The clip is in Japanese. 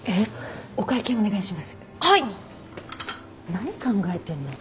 何考えてるの。